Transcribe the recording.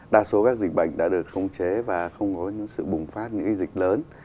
đa số các dịch bệnh đã được khống chế và không có những sự bùng phát những dịch lớn